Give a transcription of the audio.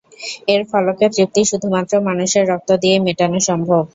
এর ফলকের তৃপ্তি শুধুমাত্র মানুষের রক্ত দিয়েই মেটানো সম্ভব।